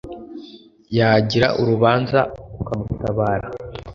yagira urubanza ukamutabara